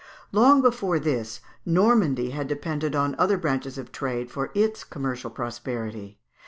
Long before this, Normandy had depended on other branches of trade for its commercial prosperity.